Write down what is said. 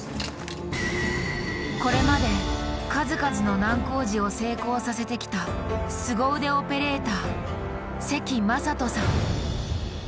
これまで数々の難工事を成功させてきた凄腕オペレーター関正人さん。